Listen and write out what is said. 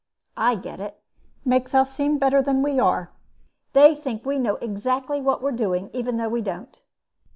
"I get it. Makes us seem better than we are. They think we know exactly what we're doing even though we don't."